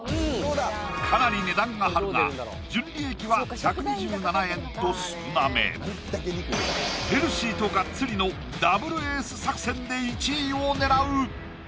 かなり値段が張るが純利益は１２７円と少なめヘルシーとガッツリのＷエース作戦で１位を狙う！